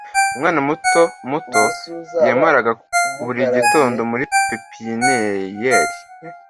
Umwana muto muto yamaraga buri gitondo muri pepiniyeri.